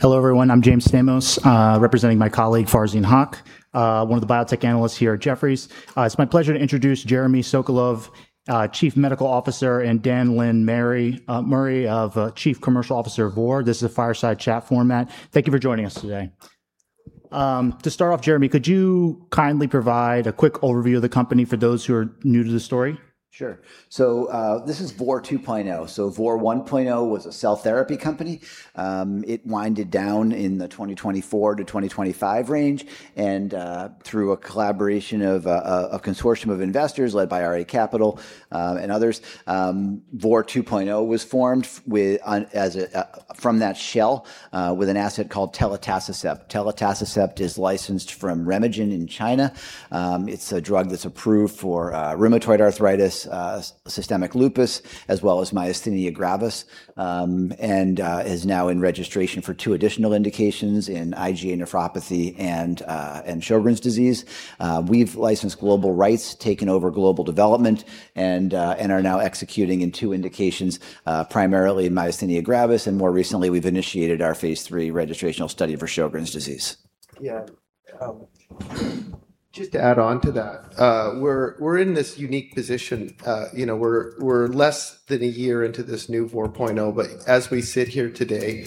Hello, everyone. I'm James Stamos, representing my colleague, Farzin Haque, one of the biotech analysts here at Jefferies. It's my pleasure to introduce Jeremy Sokolove, Chief Medical Officer, and Dallan Murray, Chief Commercial Officer of Vor. This is a fireside chat format. Thank you for joining us today. To start off, Jeremy, could you kindly provide a quick overview of the company for those who are new to the story? Sure. This is Vor 2.0. Vor 1.0 was a cell therapy company. It winded down in the 2024 to 2025 range, and through a collaboration of a consortium of investors led by RA Capital and others, Vor 2.0 was formed from that shell, with an asset called telitacicept. Telitacicept is licensed from RemeGen in China. It's a drug that's approved for rheumatoid arthritis, systemic lupus, as well as myasthenia gravis, and is now in registration for two additional indications in IgA nephropathy and Sjögren's disease. We've licensed global rights, taken over global development, and are now executing in two indications, primarily in myasthenia gravis, and more recently, we've initiated our phase III registrational study for Sjögren's disease. Just to add on to that, we're in this unique position. We're less than a year into this new Vor 2.0, but as we sit here today,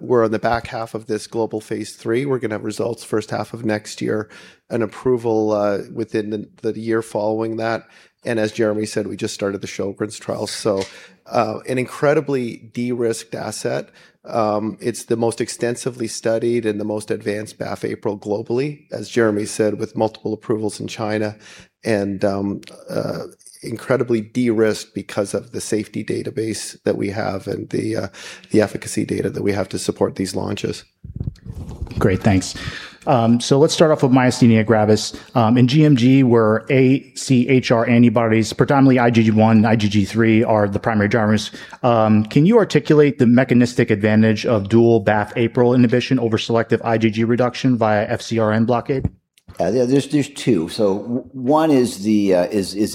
we're on the back half of this global phase III. We're going to have results first half of next year, an approval within the year following that, and as Jeremy said, we just started the Sjögren's trial, so an incredibly de-risked asset. It's the most extensively studied and the most advanced BAFF/APRIL globally, as Jeremy said, with multiple approvals in China, and incredibly de-risked because of the safety database that we have and the efficacy data that we have to support these launches. Great, thanks. Let's start off with myasthenia gravis. In gMG, where AChR antibodies, predominantly IgG1, IgG3 are the primary drivers. Can you articulate the mechanistic advantage of dual BAFF/APRIL inhibition over selective IgG reduction via FcRn blockade? There's two. One is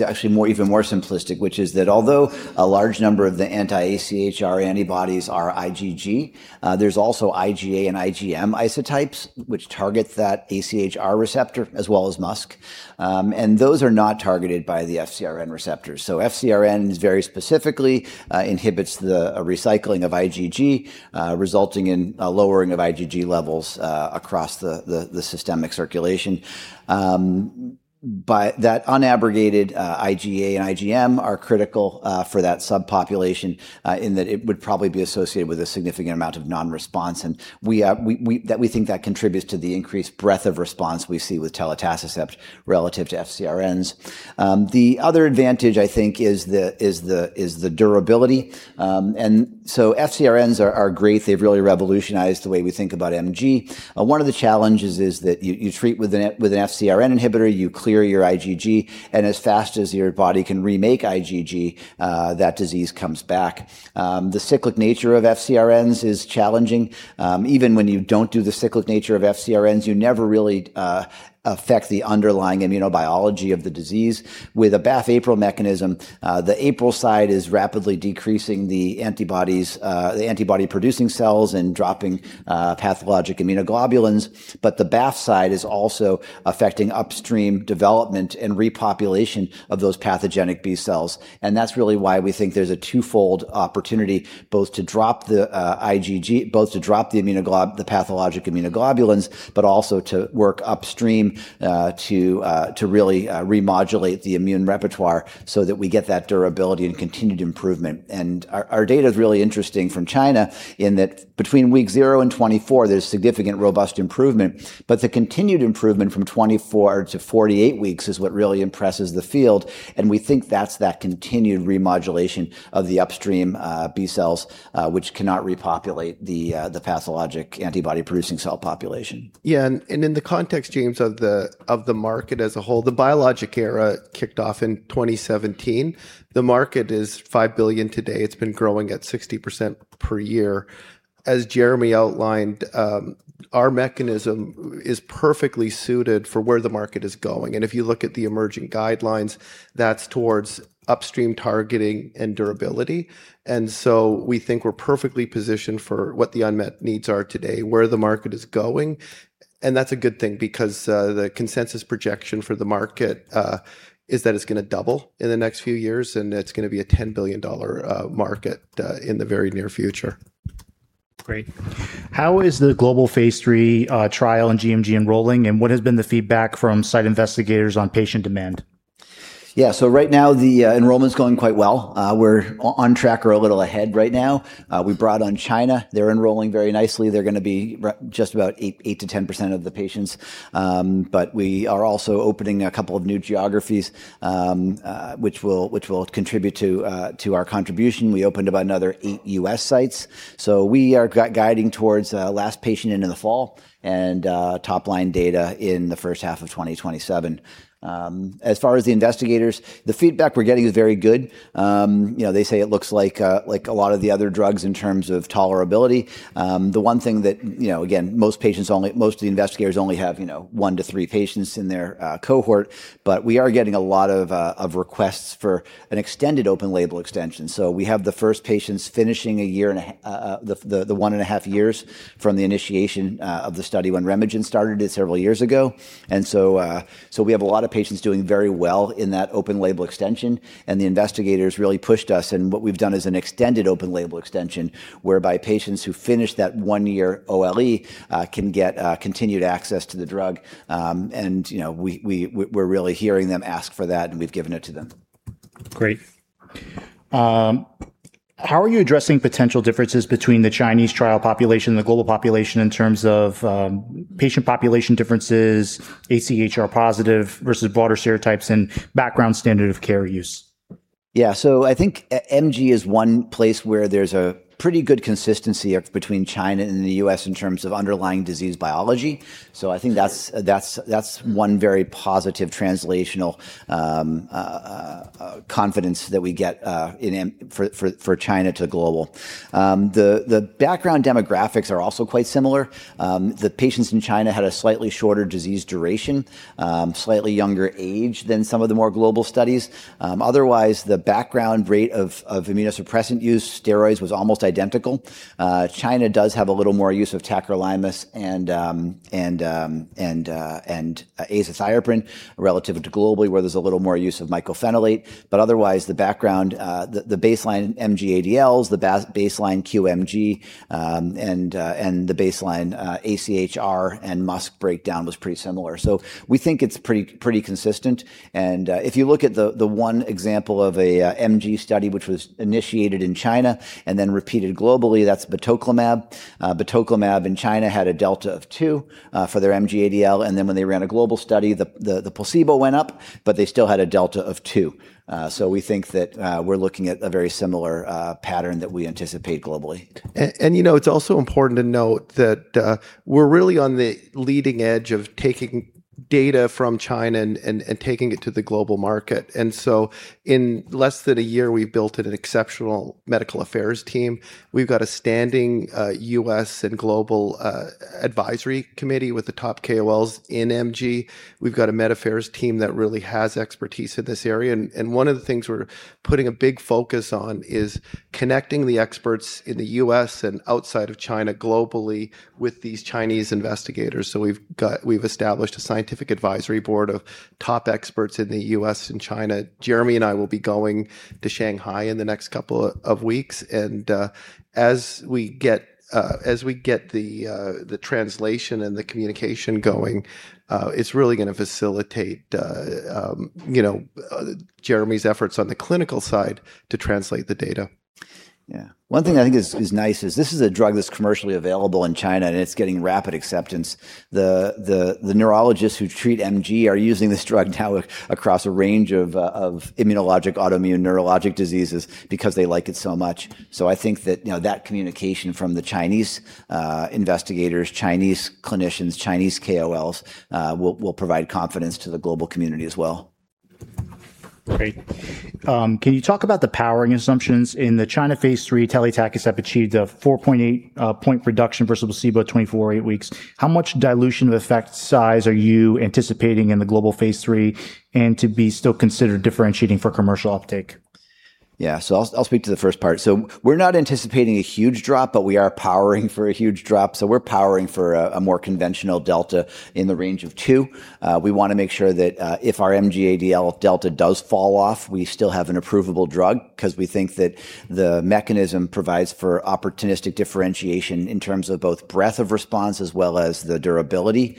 actually even more simplistic, which is that although a large number of the anti-AChR antibodies are IgG, there's also IgA and IgM isotypes, which target that AChR receptor as well as MuSK, and those are not targeted by the FcRn receptors. FcRn very specifically inhibits the recycling of IgG, resulting in a lowering of IgG levels across the systemic circulation. That unabrogated IgA and IgM are critical for that subpopulation in that it would probably be associated with a significant amount of non-response, and we think that contributes to the increased breadth of response we see with telitacicept relative to FcRn. The other advantage, I think, is the durability. FcRn are great. They've really revolutionized the way we think about MG. One of the challenges is that you treat with an FcRn inhibitor, you clear your IgG, and as fast as your body can remake IgG, that disease comes back. The cyclic nature of FcRn is challenging. Even when you don't do the cyclic nature of FcRn, you never really affect the underlying immunobiology of the disease. With a BAFF/APRIL mechanism, the APRIL side is rapidly decreasing the antibody-producing cells and dropping pathologic immunoglobulins. The BAFF side is also affecting upstream development and repopulation of those pathogenic B cells. That's really why we think there's a twofold opportunity, both to drop the pathologic immunoglobulins, but also to work upstream to really remodulate the immune repertoire so that we get that durability and continued improvement. Our data's really interesting from China in that between week zero and 24, there's significant robust improvement, but the continued improvement from 24-48 weeks is what really impresses the field, and we think that's that continued remodulation of the upstream B cells, which cannot repopulate the pathologic antibody-producing cell population. Yeah, in the context, James, of the market as a whole, the biologic era kicked off in 2017. The market is $5 billion today. It's been growing at 60% per year. As Jeremy outlined, our mechanism is perfectly suited for where the market is going, and if you look at the emerging guidelines, that's towards upstream targeting and durability. We think we're perfectly positioned for what the unmet needs are today, where the market is going, and that's a good thing because the consensus projection for the market is that it's going to double in the next few years, and it's going to be a $10 billion market in the very near future. Great. How is the global phase III trial in gMG enrolling, and what has been the feedback from site investigators on patient demand? Yeah. Right now the enrollment's going quite well. We're on track or a little ahead right now. We brought on China. They're enrolling very nicely. They're going to be just about 8%-10% of the patients. We are also opening a couple of new geographies, which will contribute to our contribution. We opened about another eight U.S. sites. We are guiding towards last patient into the fall and top-line data in the first half of 2027. As far as the investigators, the feedback we're getting is very good. They say it looks like a lot of the other drugs in terms of tolerability. The one thing that, again, most of the investigators only have one to three patients in their cohort, but we are getting a lot of requests for an extended open label extension. We have the first patients finishing the one and a half years from the initiation of the study when RemeGen started it several years ago. We have a lot of patients doing very well in that open-label extension, and the investigators really pushed us, and what we've done is an extended open-label extension, whereby patients who finish that one-year OLE can get continued access to the drug. We're really hearing them ask for that, and we've given it to them. Great. How are you addressing potential differences between the Chinese trial population and the global population in terms of patient population differences, AChR positive versus broader subtypes, and background standard of care use? I think MG is one place where there's a pretty good consistency between China and the U.S. in terms of underlying disease biology. I think that's one very positive translational confidence that we get for China to global. The background demographics are also quite similar. The patients in China had a slightly shorter disease duration, slightly younger age than some of the more global studies. Otherwise, the background rate of immunosuppressant use, steroids, was almost identical. China does have a little more use of tacrolimus and azathioprine relative to globally, where there's a little more use of mycophenolate. Otherwise, the baseline MG-ADLs, the baseline QMG, and the baseline AChR and MuSK breakdown was pretty similar. We think it's pretty consistent. If you look at the one example of a MG study, which was initiated in China and then repeated globally, that's batoclimab. Batoclimab in China had a delta of two for their MG-ADL, and then when they ran a global study, the placebo went up, but they still had a delta of two. We think that we're looking at a very similar pattern that we anticipate globally. It's also important to note that we're really on the leading edge of taking data from China and taking it to the global market. In less than a year, we've built an exceptional medical affairs team. We've got a standing U.S. and global advisory committee with the top KOLs in MG. We've got a med affairs team that really has expertise in this area. One of the things we're putting a big focus on is connecting the experts in the U.S. and outside of China globally with these Chinese investigators. We've established a scientific advisory board of top experts in the U.S. and China. Jeremy and I will be going to Shanghai in the next couple of weeks, and as we get the translation and the communication going, it's really going to facilitate Jeremy's efforts on the clinical side to translate the data. Yeah. One thing I think is nice is this is a drug that's commercially available in China. It's getting rapid acceptance. The neurologists who treat MG are using this drug now across a range of immunologic autoimmune neurologic diseases because they like it so much. I think that communication from the Chinese investigators, Chinese clinicians, Chinese KOLs, will provide confidence to the global community as well. Great. Can you talk about the powering assumptions in the China phase III telitacicept achieved a 4.8 point reduction versus placebo at 24-48 weeks. How much dilution of effect size are you anticipating in the global phase III and to be still considered differentiating for commercial uptake? Yeah. I'll speak to the first part. We're not anticipating a huge drop, but we are powering for a huge drop. We're powering for a more conventional delta in the range of two. We want to make sure that if our MG-ADL delta does fall off, we still have an approvable drug because we think that the mechanism provides for opportunistic differentiation in terms of both breadth of response as well as the durability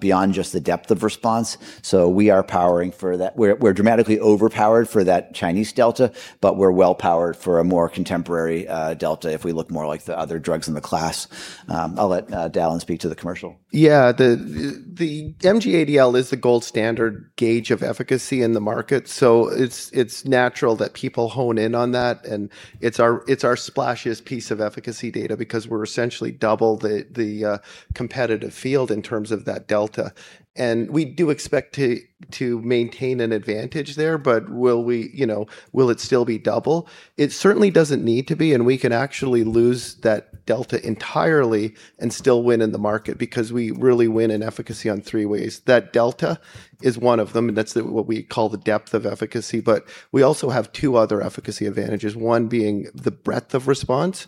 beyond just the depth of response. We are powering for that. We're dramatically overpowered for that Chinese delta, but we're well-powered for a more contemporary delta if we look more like the other drugs in the class. I'll let Dallan speak to the commercial. Yeah. The MG-ADL is the gold standard gauge of efficacy in the market. It's natural that people hone in on that, and it's our splashiest piece of efficacy data because we're essentially double the competitive field in terms of that delta. We do expect to maintain an advantage there, but will it still be double? It certainly doesn't need to be, and we can actually lose that delta entirely and still win in the market because we really win in efficacy on three ways. That delta is one of them, and that's what we call the depth of efficacy. We also have two other efficacy advantages, one being the breadth of response.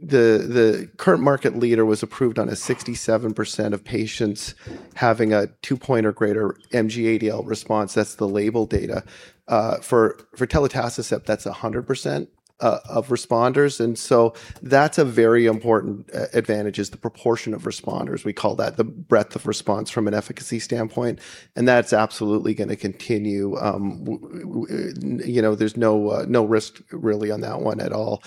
The current market leader was approved on a 67% of patients having a two-point or greater MG-ADL response. That's the label data. For telitacicept, that's 100% of responders, that's a very important advantage, is the proportion of responders. We call that the breadth of response from an efficacy standpoint, that's absolutely going to continue. There's no risk really on that one at all.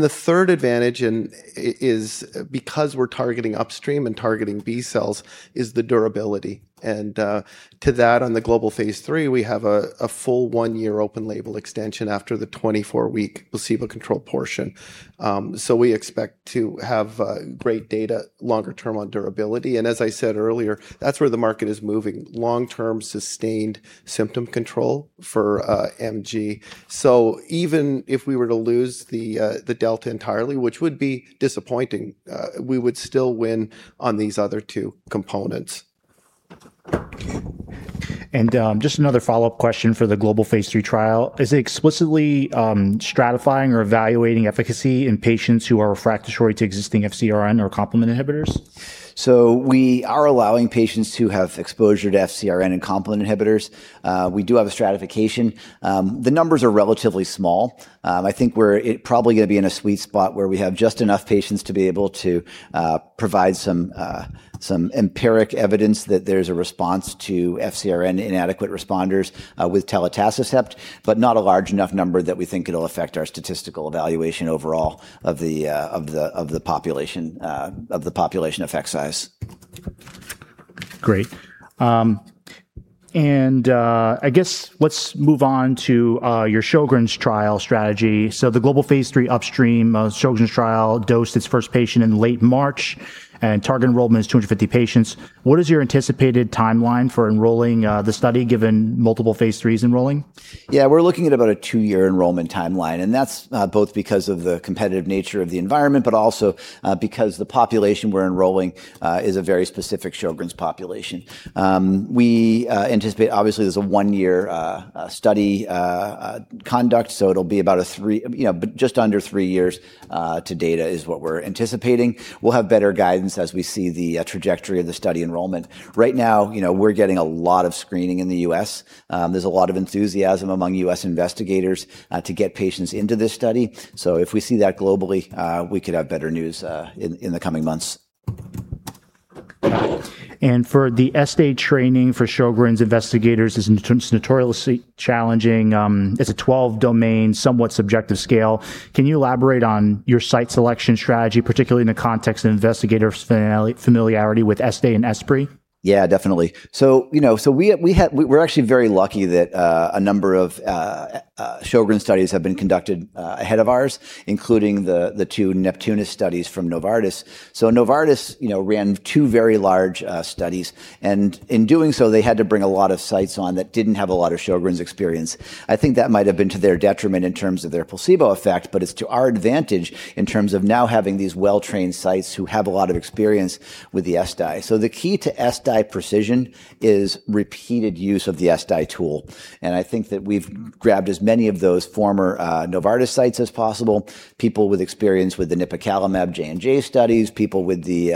The third advantage is because we're targeting upstream and targeting B cells, is the durability. To that, on the global phase III, we have a full one-year open label extension after the 24-week placebo control portion. We expect to have great data longer term on durability. As I said earlier, that's where the market is moving, long-term sustained symptom control for MG. Even if we were to lose the delta entirely, which would be disappointing, we would still win on these other two components. Just another follow-up question for the global phase III trial. Is it explicitly stratifying or evaluating efficacy in patients who are refractory to existing FcRn or complement inhibitors? We are allowing patients who have exposure to FcRn and complement inhibitors. We do have a stratification. The numbers are relatively small. I think we're probably going to be in a sweet spot where we have just enough patients to be able to provide some empiric evidence that there's a response to FcRn inadequate responders with telitacicept, but not a large enough number that we think it'll affect our statistical evaluation overall of the population effect size. Great. I guess let's move on to your Sjögren's trial strategy. The global phase III upstream Sjögren's trial dosed its first patient in late March, and target enrollment is 250 patients. What is your anticipated timeline for enrolling the study given multiple phase IIIs enrolling? Yeah. We are looking at about a two-year enrolment timeline. That's both because of the competitive nature of the environment, but also because the population we're enrolling is a very specific Sjögren's population. We anticipate, obviously, there's a one-year study conduct. It'll be about just under three years to data is what we're anticipating. We'll have better guidance as we see the trajectory of the study enrollment. Right now, we're getting a lot of screening in the U.S. There's a lot of enthusiasm among U.S. investigators to get patients into this study. If we see that globally, we could have better news in the coming months. For the ESSDAI training for Sjögren's investigators is notoriously challenging. It's a 12-domain, somewhat subjective scale. Can you elaborate on your site selection strategy, particularly in the context of investigator familiarity with ESSDAI and ESSPRI? Yeah, definitely. We're actually very lucky that a number of Sjögren's studies have been conducted ahead of ours, including the two NEPTUNUS studies from Novartis. Novartis ran two very large studies, and in doing so, they had to bring a lot of sites on that didn't have a lot of Sjögren's experience. I think that might have been to their detriment in terms of their placebo effect, but it's to our advantage in terms of now having these well-trained sites who have a lot of experience with the ESSDAI. The key to ESSDAI precision is repeated use of the ESSDAI tool, and I think that we've grabbed as many of those former Novartis sites as possible. People with experience with the nipocalimab J&J studies, people with the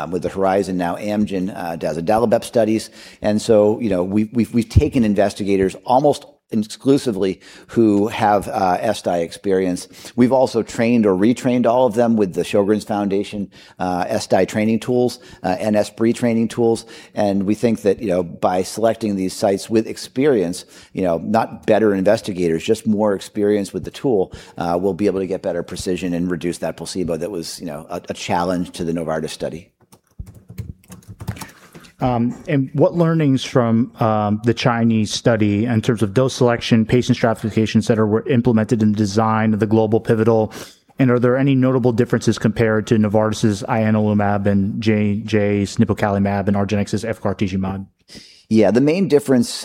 Horizon, now Amgen dazodalibep studies. We've taken investigators almost exclusively who have ESSDAI experience. We've also trained or retrained all of them with the Sjögren's Foundation ESSDAI training tools, and ESSPRI training tools. We think that by selecting these sites with experience, not better investigators, just more experience with the tool, we'll be able to get better precision and reduce that placebo that was a challenge to the Novartis study. What learnings from the Chinese study in terms of dose selection, patient stratification, et cetera, were implemented in the design of the global pivotal, and are there any notable differences compared to Novartis' ianalumab and J&J's nipocalimab, and argenx's efgartigimod? Yeah, the main difference.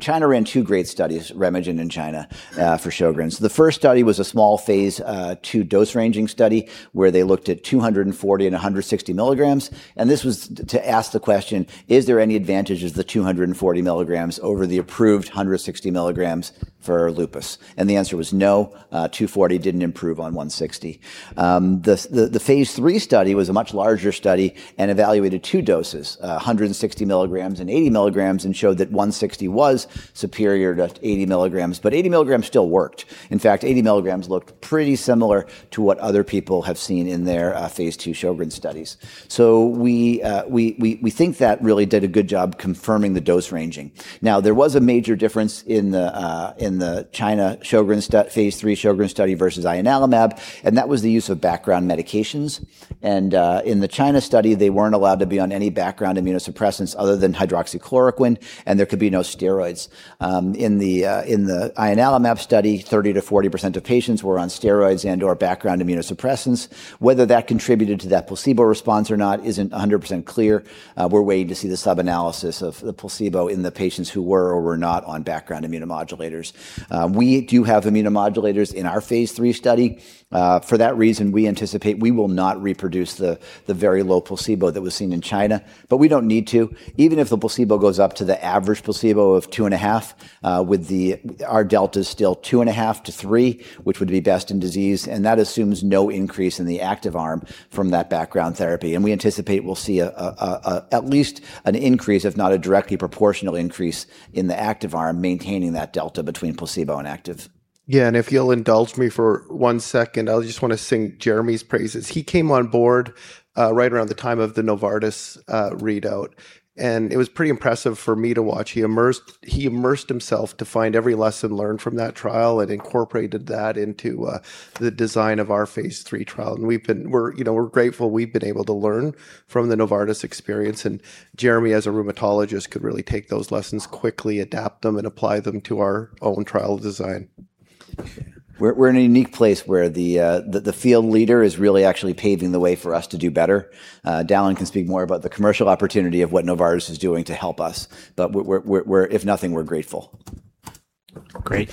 China ran two great studies, RemeGen and China, for Sjögren's. The first study was a small phase II dose-ranging study where they looked at 240 mg and 160 mg. This was to ask the question, is there any advantage of the 240 mg over the approved 160 mg for lupus? The answer was no, 240 mg didn't improve on 160 mg. The phase III study was a much larger study and evaluated two doses, 160 mg and 80 mg, and showed that 160 mg was superior to 80 mg, but 80 mg still worked. In fact, 80 mg looked pretty similar to what other people have seen in their phase II Sjögren's studies. We think that really did a good job confirming the dose ranging. There was a major difference in the China phase III Sjögren's study versus ianalumab, that was the use of background medications. In the China study, they weren't allowed to be on any background immunosuppressants other than hydroxychloroquine, and there could be no steroids. In the ianalumab study, 30%-40% of patients were on steroids and/or background immunosuppressants. That contributed to that placebo response or not isn't 100% clear. We're waiting to see the sub-analysis of the placebo in the patients who were or were not on background immunomodulators. We do have immunomodulators in our phase III study. For that reason, we anticipate we will not reproduce the very low placebo that was seen in China, but we don't need to. Even if the placebo goes up to the average placebo of 2.5, our delta's still 2.5-3, which would be best in disease, and that assumes no increase in the active arm from that background therapy. We anticipate we'll see at least an increase, if not a directly proportional increase in the active arm maintaining that delta between placebo and active. Yeah, if you'll indulge me for one second, I just want to sing Jeremy's praises. He came on board right around the time of the Novartis readout, and it was pretty impressive for me to watch. He immersed himself to find every lesson learned from that trial and incorporated that into the design of our phase III trial. We're grateful we've been able to learn from the Novartis experience, and Jeremy, as a rheumatologist, could really take those lessons quickly, adapt them, and apply them to our own trial design. We're in a unique place where the field leader is really actually paving the way for us to do better. Dallan can speak more about the commercial opportunity of what Novartis is doing to help us. If nothing, we're grateful. Great.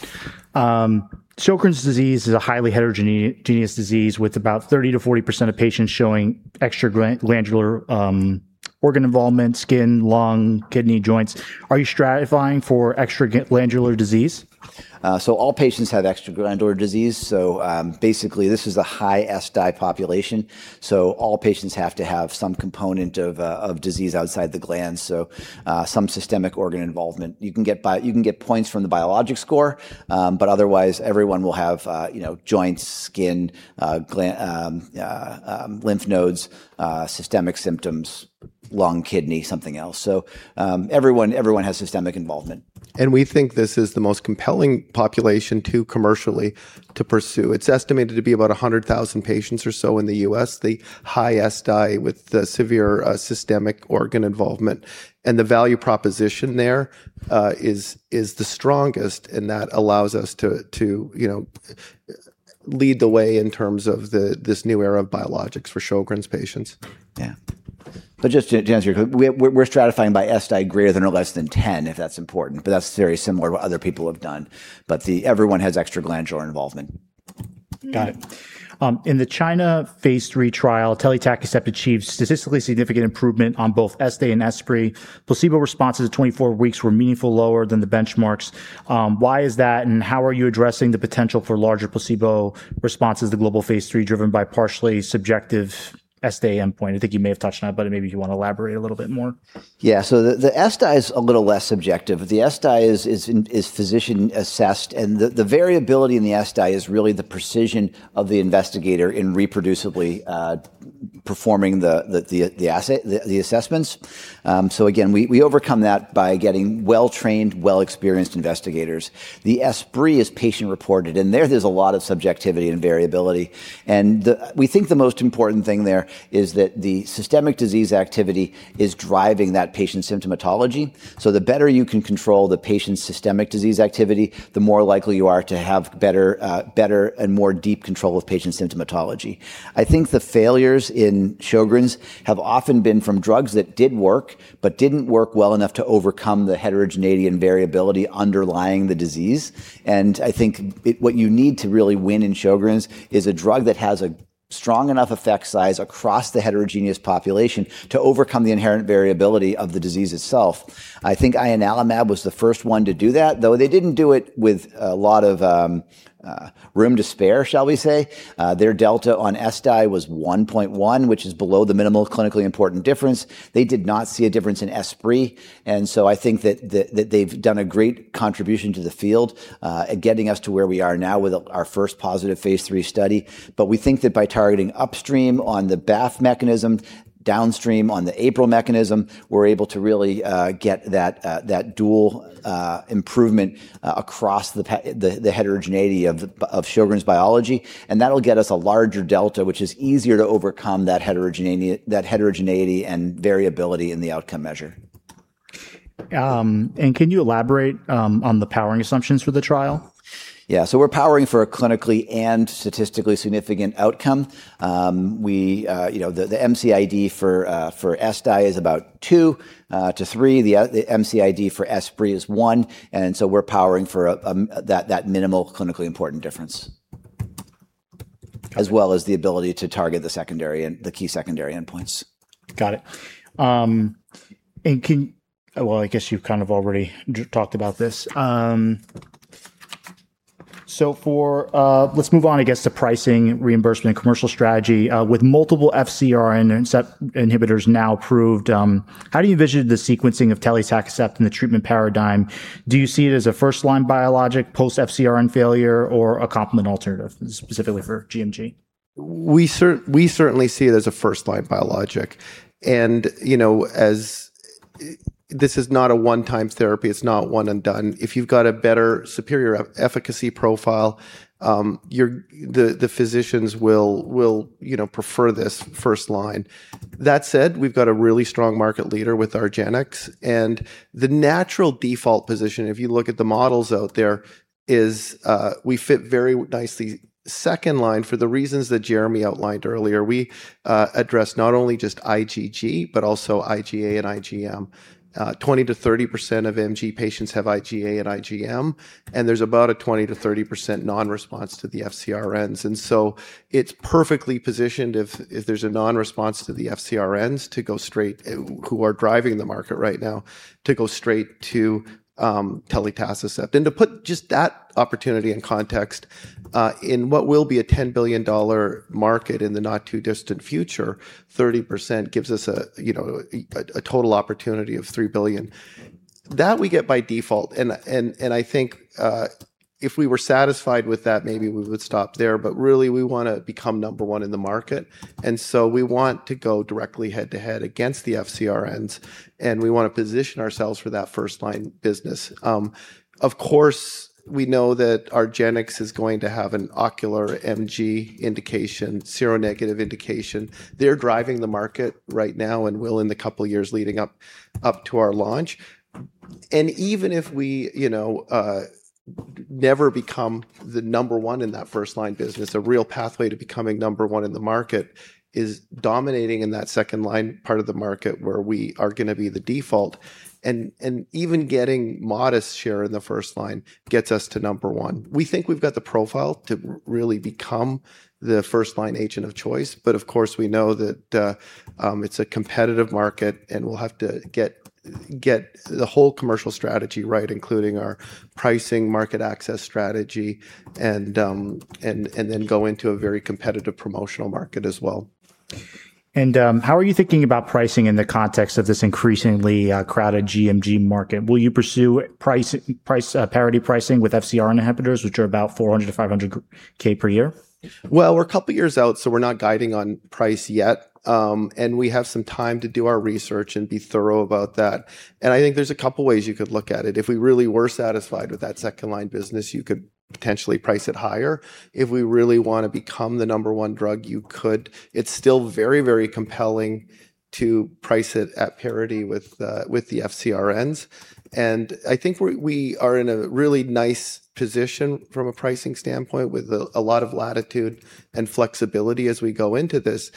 Sjögren's disease is a highly heterogeneous disease with about 30%-40% of patients showing extraglandular organ involvement, skin, lung, kidney, joints. Are you stratifying for extraglandular disease? All patients have extraglandular disease. Basically, this is a high ESSDAI population, so all patients have to have some component of disease outside the gland, so some systemic organ involvement. You can get points from the biologic score, but otherwise everyone will have joints, skin, lymph nodes, systemic symptoms, lung, kidney, something else. Everyone has systemic involvement. We think this is the most compelling population to commercially pursue. It is estimated to be about 100,000 patients or so in the U.S., the high ESSDAI with the severe systemic organ involvement. The value proposition there is the strongest, and that allows us to lead the way in terms of this new era of biologics for Sjögren's patients. Yeah. We're stratifying by ESSDAI greater than or less than 10, if that's important, but that's very similar to what other people have done. Everyone has extraglandular involvement. Got it. In the China phase III trial, telitacicept achieved statistically significant improvement on both ESSDAI and ESSPRI. Placebo responses at 24 weeks were meaningfully lower than the benchmarks. Why is that? How are you addressing the potential for larger placebo responses to global phase III driven by partially subjective ESSDAI endpoint? I think you may have touched on it. Maybe if you want to elaborate a little bit more. The ESSDAI is a little less subjective. The ESSDAI is physician-assessed, and the variability in the ESSDAI is really the precision of the investigator in reproducibly performing the assessments. Again, we overcome that by getting well-trained, well-experienced investigators. The ESSPRI is patient-reported, and there's a lot of subjectivity and variability. We think the most important thing there is that the systemic disease activity is driving that patient symptomatology. The better you can control the patient's systemic disease activity, the more likely you are to have better and more deep control of patient symptomatology. I think the failures in Sjögren's have often been from drugs that did work but didn't work well enough to overcome the heterogeneity and variability underlying the disease. I think what you need to really win in Sjögren's is a drug that has a strong enough effect size across the heterogeneous population to overcome the inherent variability of the disease itself. I think ianalumab was the first one to do that, though they didn't do it with a lot of room to spare, shall we say. Their delta on ESSDAI was 1.1, which is below the minimal clinically important difference. They did not see a difference in ESSPRI, I think that they've done a great contribution to the field, getting us to where we are now with our first positive phase III study. We think that by targeting upstream on the BAFF mechanism, downstream on the APRIL mechanism, we're able to really get that dual improvement across the heterogeneity of Sjögren's biology. That'll get us a larger delta, which is easier to overcome that heterogeneity and variability in the outcome measure. Can you elaborate on the powering assumptions for the trial? We're powering for a clinically and statistically significant outcome. The MCID for ESSDAI is about two to three. The MCID for ESSPRI is one. We're powering for that minimal clinically important difference, as well as the ability to target the key secondary endpoints. Got it. Well, I guess you've already talked about this. Let's move on, I guess, to pricing, reimbursement, commercial strategy. With multiple FcRn inhibitors now approved, how do you envision the sequencing of telitacicept in the treatment paradigm? Do you see it as a first-line biologic, post-FcRn failure, or a complement alternative, specifically for gMG? We certainly see it as a first-line biologic. This is not a one-time therapy. It's not one and done. If you've got a better superior efficacy profile, the physicians will prefer this first line. That said, we've got a really strong market leader with argenx, and the natural default position, if you look at the models out there, is we fit very nicely second line for the reasons that Jeremy outlined earlier. We address not only just IgG, but also IgA and IgM. 20%-30% of MG patients have IgA and IgM, and there's about a 20%-30% non-response to the FcRn. It's perfectly positioned if there's a non-response to the FcRn, who are driving the market right now, to go straight to telitacicept. To put just that opportunity in context, in what will be a $10 billion market in the not too distant future, 30% gives us a total opportunity of $3 billion. That we get by default, and I think if we were satisfied with that, maybe we would stop there, but really, we want to become number one in the market. We want to go directly head-to-head against the FcRn, and we want to position ourselves for that first-line business. Of course, we know that argenx is going to have an ocular MG indication, seronegative indication. They're driving the market right now and will in the couple years leading up to our launch. Even if we never become the number one in that first-line business. A real pathway to becoming number 1 in the market is dominating in that second line part of the market where we are going to be the default, and even getting modest share in the first line gets us to number 1. We think we've got the profile to really become the first-line agent of choice, but of course, we know that it's a competitive market, and we'll have to get the whole commercial strategy right, including our pricing market access strategy, and then go into a very competitive promotional market as well. How are you thinking about pricing in the context of this increasingly crowded gMG market? Will you pursue parity pricing with FcRn inhibitors, which are about $400,000-$500,000 per year? Well, we're a couple of years out, so we're not guiding on price yet. We have some time to do our research and be thorough about that. I think there's a couple of ways you could look at it. If we really were satisfied with that second-line business, you could potentially price it higher. If we really want to become the number one drug, you could. It's still very compelling to price it at parity with the FcRn. I think we are in a really nice position from a pricing standpoint with a lot of latitude and flexibility as we go into this,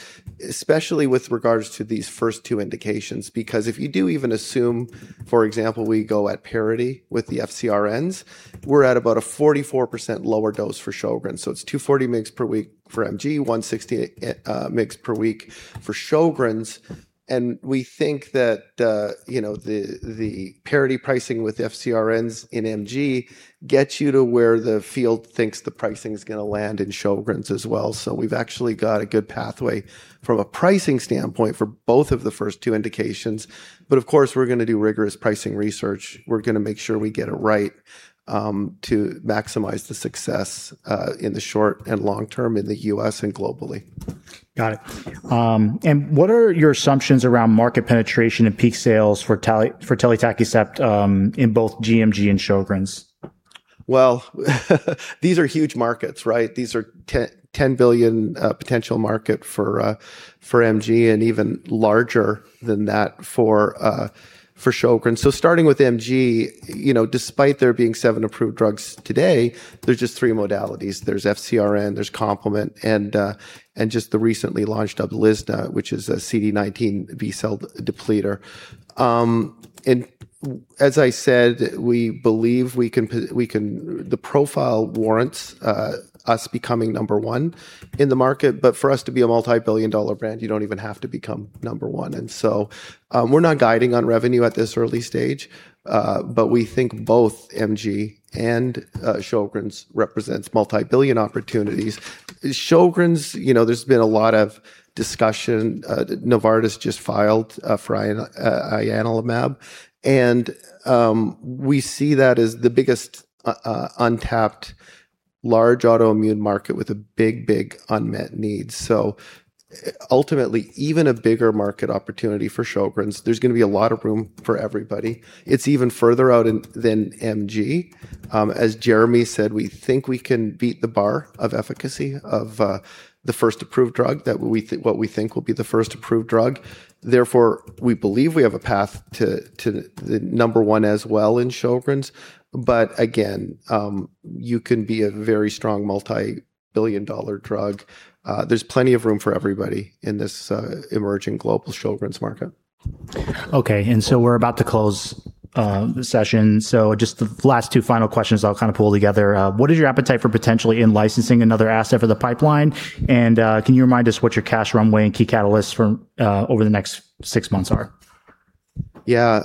especially with regards to these first two indications. Because if you do even assume, for example, we go at parity with the FcRn, we're at about a 44% lower dose for Sjögren's. It's 240 mg per week for MG, 160 mg per week for Sjögren's. We think that the parity pricing with FcRn in MG gets you to where the field thinks the pricing is going to land in Sjögren's as well. We've actually got a good pathway from a pricing standpoint for both of the first two indications. Of course, we're going to do rigorous pricing research. We're going to make sure we get it right to maximize the success in the short and long term in the U.S. and globally. Got it. What are your assumptions around market penetration and peak sales for telitacicept in both gMG and Sjögren's? Well, these are huge markets, right? These are $10 billion potential market for MG, and even larger than that for Sjögren's. Starting with MG, despite there being seven approved drugs today, there's just three modalities. There's FcRn, there's complement, and just the recently launched UPLIZNA, which is a CD19 B-cell depleter. As I said, we believe the profile warrants us becoming number one in the market. For us to be a multi-billion dollar brand, you don't even have to become number one. We're not guiding on revenue at this early stage, but we think both MG and Sjögren's represents multi-billion opportunities. Sjögren's, there's been a lot of discussion. Novartis just filed for ianalumab, and we see that as the biggest untapped large autoimmune market with a big unmet need. Ultimately, even a bigger market opportunity for Sjögren's. There's going to be a lot of room for everybody. It's even further out than MG. As Jeremy said, we think we can beat the bar of efficacy of the first approved drug, what we think will be the first approved drug. We believe we have a path to the number one as well in Sjögren's. Again, you can be a very strong multi-billion dollar drug. There's plenty of room for everybody in this emerging global Sjögren's market. Okay, we're about to close the session, just the last two final questions I'll pull together. What is your appetite for potentially in-licensing another asset for the pipeline? Can you remind us what your cash runway and key catalysts over the next six months are? Yeah.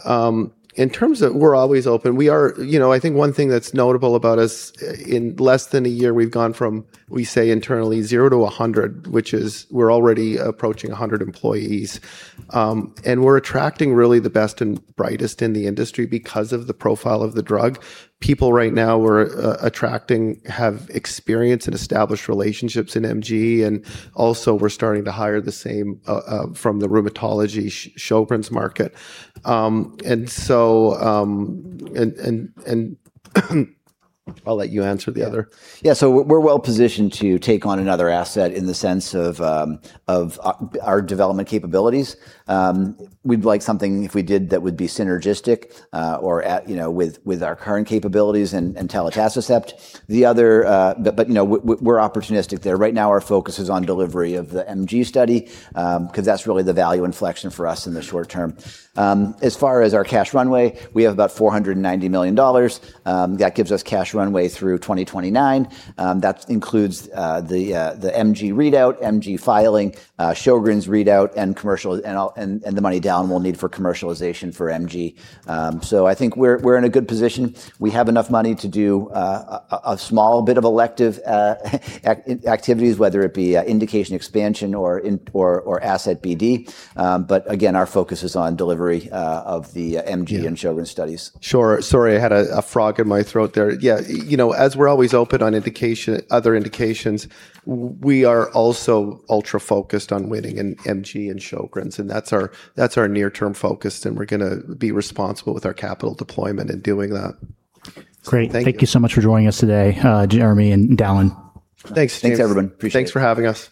In terms of we're always open. I think one thing that's notable about us, in less than a year, we've gone from, we say internally, zero to 100, which is we're already approaching 100 employees. We're attracting really the best and brightest in the industry because of the profile of the drug. People right now we're attracting have experience and established relationships in MG, also we're starting to hire the same from the rheumatology Sjögren's market. I'll let you answer the other. We're well positioned to take on another asset in the sense of our development capabilities. We'd like something, if we did, that would be synergistic or with our current capabilities in telitacicept. We're opportunistic there. Right now, our focus is on delivery of the MG study, because that's really the value inflection for us in the short term. As far as our cash runway, we have about $490 million. That gives us cash runway through 2029. That includes the MG readout, MG filing, Sjögren's readout, and the money down we'll need for commercialization for MG. I think we're in a good position. We have enough money to do a small bit of elective activities, whether it be indication expansion or asset BD. Again, our focus is on delivery of the MG and Sjögren's studies. Sure. Sorry, I had a frog in my throat there. Yeah. As we're always open on other indications, we are also ultra-focused on winning in MG and Sjögren's. That's our near-term focus. We're going to be responsible with our capital deployment in doing that. Great. Thank you. Thank you so much for joining us today, Jeremy and Dallan. Thanks, James. Thanks, everyone. Appreciate it. Thanks for having us.